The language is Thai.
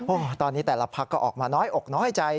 โอ้โหตอนนี้แต่ละพักก็ออกมาน้อยอกน้อยใจ